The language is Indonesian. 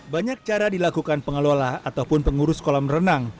banyak cara dilakukan pengelola ataupun pengurus kolam renang